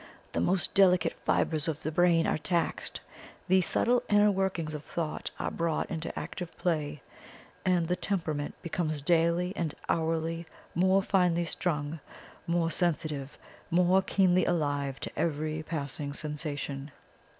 The most delicate fibres of the brain are taxed; the subtle inner workings of thought are brought into active play; and the temperament becomes daily and hourly more finely strung, more sensitive, more keenly alive to every passing sensation.